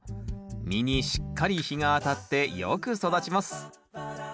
実にしっかり日が当たってよく育ちます。